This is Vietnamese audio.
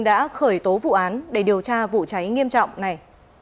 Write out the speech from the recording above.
đã khởi tố vụ án để điều tra vụ cháy nghiêm trọng này